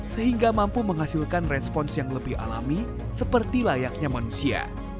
sehingga mampu menghasilkan respons yang lebih alami seperti layaknya manusia